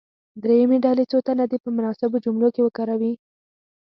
دریمې ډلې څو تنه دې په مناسبو جملو کې وکاروي.